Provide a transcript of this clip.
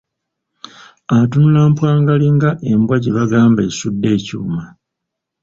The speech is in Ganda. Atunula mpwangali nga embwa gye bagamba esudde ekyuma!